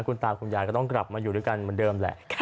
คุณตาคุณยายก็ต้องกลับมาอยู่ด้วยกันเหมือนเดิมแหละ